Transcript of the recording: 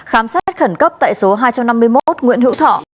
khám xét khẩn cấp tại số hai trăm năm mươi một nguyễn hữu thọ